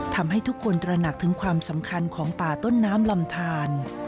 ทำให้ทุกคนตระหนักถึงความสำคัญของป่าต้นน้ำลำทาน